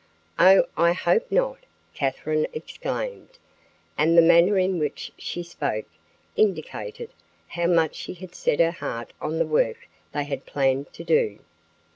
"Oh, I hope not!" Katherine exclaimed, and the manner in which she spoke indicated how much she had set her heart on the work they had planned to do.